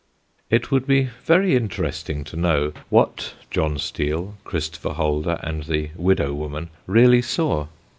It would be very interesting to know what John Steele, Christopher Holder, and the widow woman really saw.